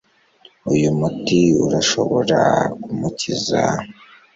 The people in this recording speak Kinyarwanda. Uyu muti urashobora kumukiza